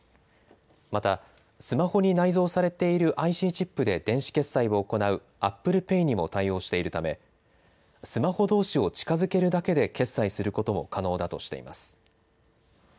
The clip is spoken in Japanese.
また、スマホに内蔵されているＩＣチップで電子決済を行うアップルペイにも対応しているため、スマホどうしを近づけるだけで決済することも可能だとしています。